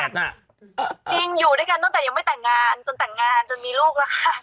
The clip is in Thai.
จริงอยู่ด้วยกันตั้งแต่ยังไม่แต่งงานจนแต่งงานจนมีลูกแล้วค่ะ